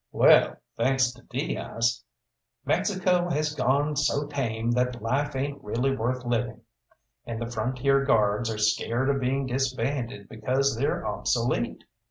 Well, thanks to Diaz, Mexico has gone so tame that life ain't really worth living, and the Frontier Guards are scared of being disbanded because they're obsolete.